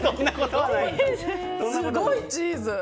すごいチーズ！